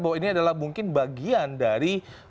bahwa ini adalah mungkin bagian dari